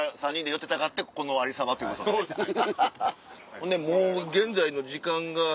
ほんでもう現在の時間が。